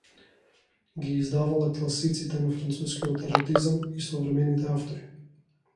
Ги издавала класиците на францускиот еротизам и современите автори.